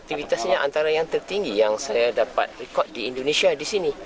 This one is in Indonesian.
aktivitasnya antara yang tertinggi yang saya dapat rekod di indonesia di sini